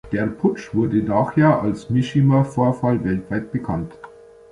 Der Putsch wurde nachher als „Mishima-Vorfall“ weltweit bekannt.